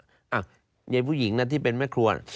อ่ะเนี่ยผู้หญิงนะที่เป็นแม่ครัว